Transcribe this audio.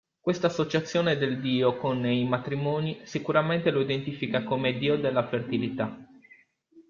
Questa associazione del dio con i matrimoni, sicuramente lo identifica come dio della fertilità.